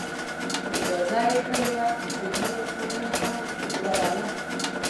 اجازه یې کړې وه چې نور آشنایان هم ورولم.